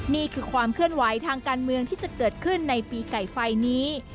นี่คือความเคลื่อนไหวทางการเมืองที่จะเกิดขึ้นในปีไก่ไฟนี้